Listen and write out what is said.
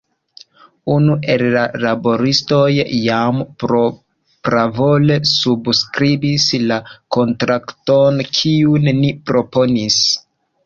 Unu el la laboristoj jam propravole subskribis la kontrakton kiun ni proponis.